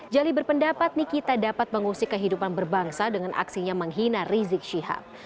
jali berpendapat nikita dapat mengusik kehidupan berbangsa dengan aksinya menghina rizik syihab